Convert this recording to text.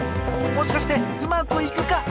もしかしてうまくいくか！？